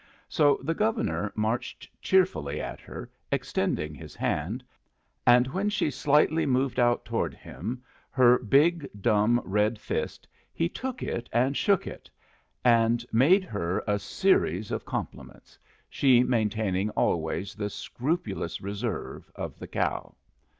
So the Governor marched cheerfully at her, extending his hand, and when she slightly moved out toward him her big, dumb, red fist, he took it and shook it, and made her a series of compliments, she maintaining always the scrupulous reserve of the cow.